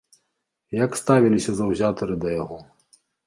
Як ставіліся заўзятары да яго?